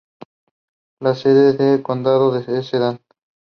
Monroe Township is in size and is located in central Union County.